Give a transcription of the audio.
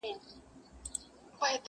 خلک عادي ژوند ته ستنېږي ورو،